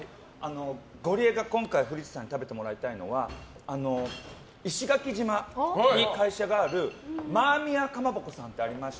ゴリエが今回古市さんに食べてもらいたいのは石垣島に会社があるマーミヤかまぼこさん。